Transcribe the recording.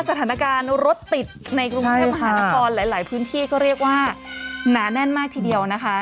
สถานการณ์รถติดในกรุงเทพมหานครหลายพื้นที่ก็เรียกว่าหนาแน่นมากทีเดียวนะคะ